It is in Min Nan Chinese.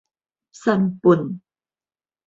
散本